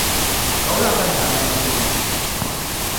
Ka wula ka daadama be lala?